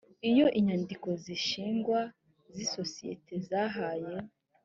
iyo inyandiko z ishingwa z isosiyete zahaye